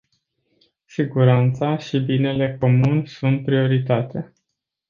Siguranța și binele comun sunt prioritatea.